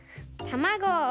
たまご！